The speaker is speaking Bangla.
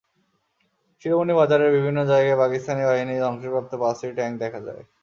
শিরোমণি বাজারের বিভিন্ন জায়গায় পাকিস্তানি বাহিনীর ধ্বংসপ্রাপ্ত পাঁচটি ট্যাংক দেখা যায়।